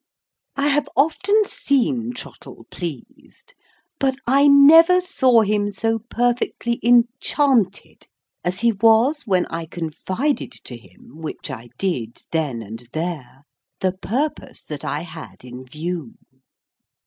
I have often seen Trottle pleased; but, I never saw him so perfectly enchanted as he was when I confided to him, which I did, then and there, the purpose that I had in view.